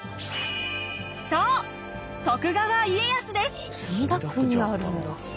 そう徳川家康です！